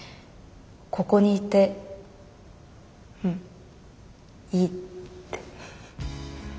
ここにいてうんいいって。